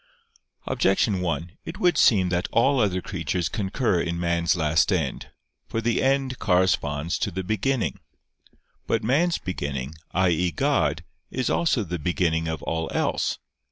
Objection 1: It would seem that all other creatures concur in man's last end. For the end corresponds to the beginning. But man's beginning i.e. God is also the beginning of all else.